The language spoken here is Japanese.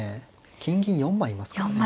金銀４枚いますからね。